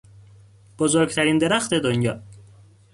بزرگترین درخت دنیا